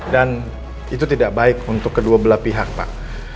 dan itu tidak baik untuk kedua belah pihak pak